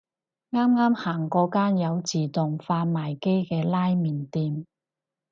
啱啱行過間有自動販賣機嘅拉麵店